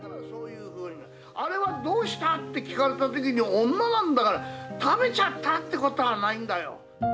あれはどうしたって聞かれた時に女なんだから食べちゃったってことはないんだよ。